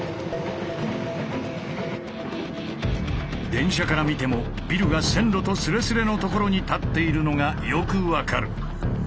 電車から見てもビルが線路とすれすれの所に立っているのがよく分かる。